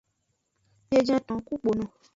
Biejenton ku kpono.